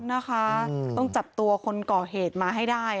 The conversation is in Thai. นะคะต้องจับตัวคนก่อเหตุมาให้ได้